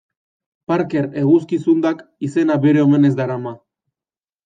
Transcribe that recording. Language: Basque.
Parker eguzki zundak izena bere omenez darama.